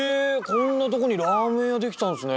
こんなとこにラーメン屋出来たんですね。